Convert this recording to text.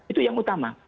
itu yang utama